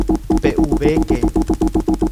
¡Pe'uvéke!